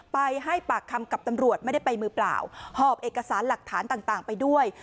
ไปให้ปากคำกับตำรวจไม่ได้ไปมือเปล่าหอบเอกสารหลักฐานต่างไปด้วย